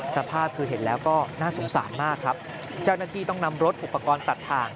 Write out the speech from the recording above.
สภาพคือเห็นแล้วก็น่าสงสารมากครับเจ้าหน้าที่ต้องนำรถอุปกรณ์ตัดทาง